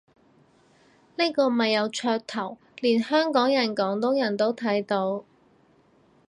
呢個咪有噱頭，連香港人廣東人都見到